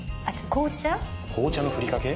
紅茶のふりかけ？